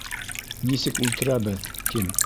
Нисек үлтерәбеҙ, тим.